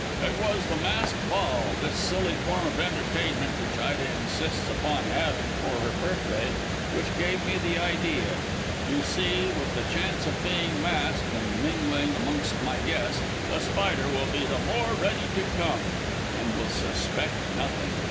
"It was the masked ball this silly form of entertainment, which Ida insists upon having for her birthday which gave me the idea. You see, with the chance of being masked and mingling amongst my guests, The Spider will be the more ready to come, and will suspect nothing.